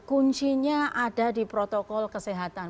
kuncinya ada di protokol kesehatan